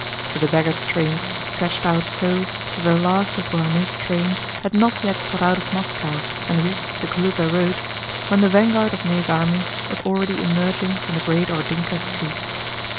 But the baggage trains stretched out so that the last of Beauharnais' train had not yet got out of Moscow and reached the Kalúga road when the vanguard of Ney's army was already emerging from the Great Ordýnka Street.